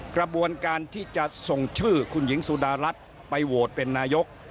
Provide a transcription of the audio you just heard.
กระบวนการที่จะส่งชื่อคุณหญิงสุดารัฐไปโหวตเป็นนายก